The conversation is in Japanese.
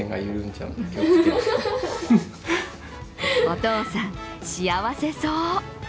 お父さん、幸せそう。